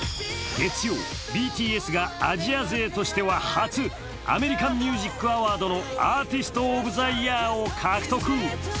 月曜、ＢＴＳがアジア勢としては初アメリカン・ミュージック・アワードのアーティスト・オブ・ザ・イヤーを獲得。